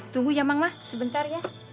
tunggu ya mak mak sebentar ya